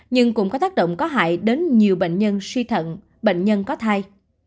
nhưng cũng có tác động có hại đến nhiều bệnh nhân suy thận bệnh nhân có thai